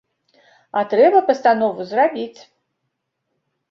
А трэба пастанову зрабіць.